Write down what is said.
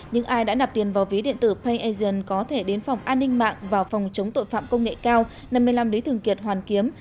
nhưng ai đã nạp tiền vào ví điện tử payagent có thể đến phòng an ninh mạng và phòng chống tội phạm công nghệ cao năm mươi năm lý thường kiệt hoàn kiếm